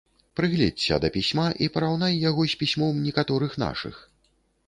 Прыгледзься да пісьма і параўнай яго з пісьмом некаторых нашых.